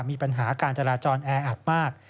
มีปัญหาการจราจรแออัดมาก